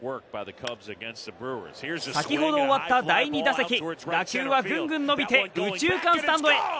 先ほど終わった第２打席打球はぐんぐんのびて右中間スタンドへ。